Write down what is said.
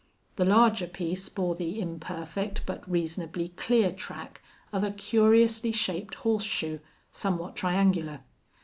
The larger piece bore the imperfect but reasonably clear track of a curiously shaped horseshoe, somewhat triangular.